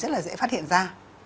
rất là dễ phát hiện ra